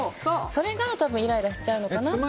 それがイライラしちゃうのかなと。